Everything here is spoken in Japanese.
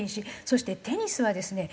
そしてテニスはですね